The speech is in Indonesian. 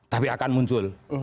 tapi akan muncul